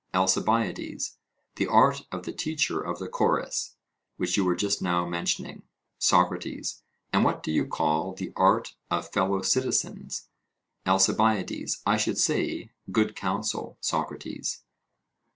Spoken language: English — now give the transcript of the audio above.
ALCIBIADES: The art of the teacher of the chorus, which you were just now mentioning. SOCRATES: And what do you call the art of fellow citizens? ALCIBIADES: I should say, good counsel, Socrates.